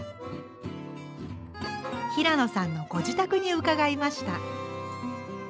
平野さんのご自宅に伺いました。